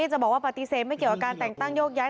จะบอกว่าปฏิเสธไม่เกี่ยวกับการแต่งตั้งโยกย้าย